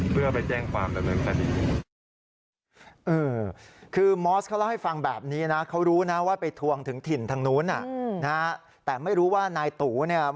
เพื่อไปแจ้งความดำเนินคดี